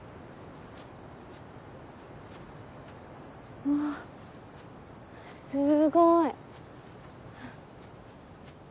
うわすごい。